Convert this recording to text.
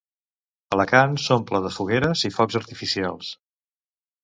Alacant s'omple de fogueres i focs artificials.